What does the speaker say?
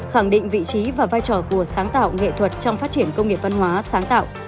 khẳng định vị trí và vai trò của sáng tạo nghệ thuật trong phát triển công nghiệp văn hóa sáng tạo